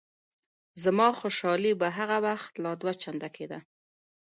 زما خوشحالي به هغه وخت لا دوه چنده کېده.